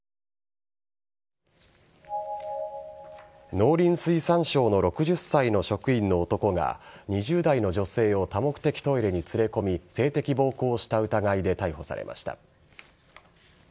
農林水産省の６０歳の職員の男が２０代の女性を多目的トイレに連れ込み性的暴行をした疑いで逮捕されました。